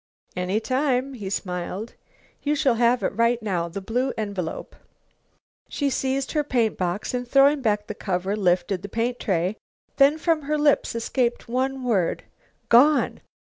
"Any time," he smiled. "You shall have it right now the blue envelope." She seized her paint box, and throwing back the cover lifted the paint tray. Then from her lips escaped one word: "Gone!"